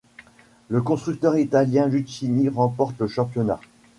Le constructeur italien Lucchini remporte le championnat.